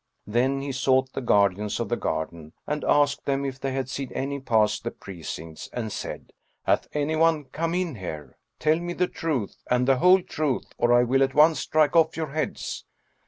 Then he sought the guardians of the garden and asked them if they had seen any pass the precincts; and said, "Hath any one come in here? Tell me the truth and the whole truth or I will at once strike off your heads."